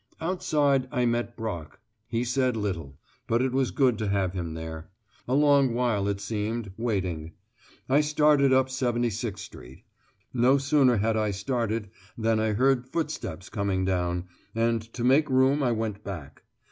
Outside I met Brock. He said little, but it was good to have him there. A long while it seemed, waiting. I started up 76 Street. No sooner had I started than I heard footsteps coming down, and to make room I went back.